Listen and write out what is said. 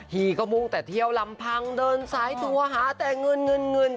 พี่ก็มุ่งแต่เที่ยวลำพังเดินสายทัวร์หาแต่เงินเงิน